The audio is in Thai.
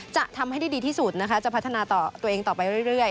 จะทำให้ได้ดีที่สุดนะคะจะพัฒนาต่อตัวเองต่อไปเรื่อย